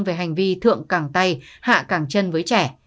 về hành vi thượng càng tay hạ càng chân với trẻ